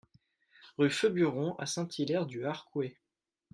Rue Feburon à Saint-Hilaire-du-Harcouët